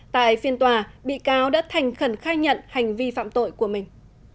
tại phiên tòa bị cáo đã thành khẩn khai nhận hành vi phạm tội của mình